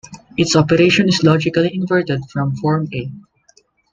Its operation is logically inverted from Form A.